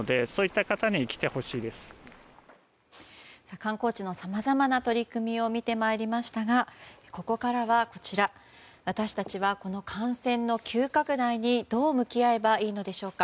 観光地のさまざまな取り組みを見て参りましたがここからは私たちは、この感染の急拡大にどう向き合えばいいのでしょうか。